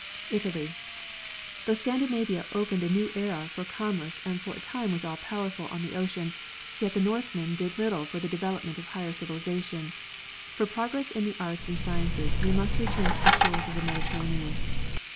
Italy. Though Seandinavia opened a new era for commerce and for a time was all powerful on the ocean, yet the northmen did little for the development of a higher civilization. For progress in the arts and sciences, we must return to the shores of the Mediterranean.